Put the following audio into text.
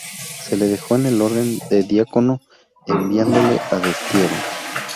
Se le dejó en el orden de diácono, enviándole a destierro.